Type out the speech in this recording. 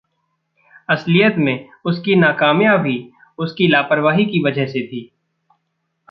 असलियत में उसकी नाकामयाबी उसकी लापरवाही की वजह से थी।